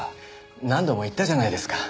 何度も言ったじゃないですか。